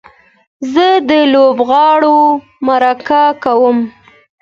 زه د لوبغاړو مرکه ګورم.